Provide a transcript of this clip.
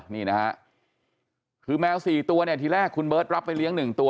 นี่นะฮะคือแมว๔ตัวเนี่ยทีแรกคุณเบิร์ตรับไปเลี้ยง๑ตัว